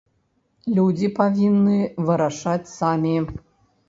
Людзі павінны вырашаць самі.